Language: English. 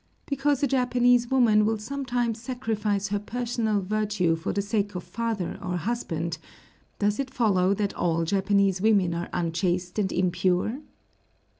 Because a Japanese woman will sometimes sacrifice her personal virtue for the sake of father or husband, does it follow that all Japanese women are unchaste and impure?